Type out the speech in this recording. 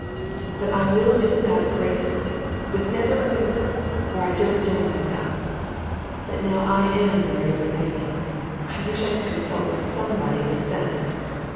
But I will do without it gracefully, with never a whimper, or I don't know myself. But now I AM worried over Peggy. I wish I could consult with somebody with sense.